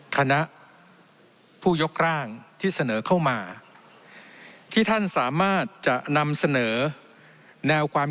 คณะผู้ยกร่างที่เสนอเข้ามาที่ท่านสามารถจะนำเสนอแนวความ